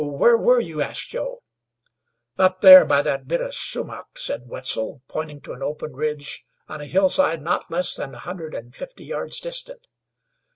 "Where were you?" asked Joe. "Up there by that bit of sumach!" and Wetzel pointed to an open ridge on a hillside not less than one hundred and fifty yards distant.